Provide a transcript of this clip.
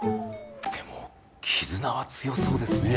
でも絆は強そうですね。